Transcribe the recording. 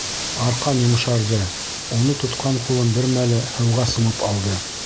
Арҡан йомшарҙы, уны тотҡан ҡулым бер мәлгә һыуға сумып алды.